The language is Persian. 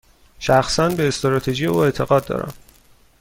شخصا، به استراتژی او اعتقاد دارم.